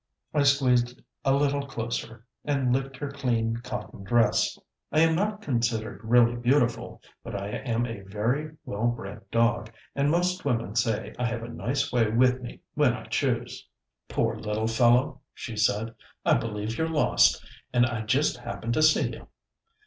I squeezed a little closer, and licked her clean, cotton dress. I am not considered really beautiful, but I am a very well bred dog, and most women say I have a nice way with me when I choose. "Poor little fellow," she said, "I believe you're lost, and I just happened to see you."